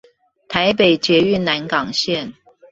臺北捷運南港線